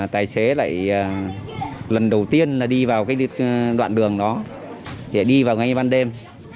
tài xế lại lần đầu tiên đi vào đoạn đường đó đi vào ngay ban đêm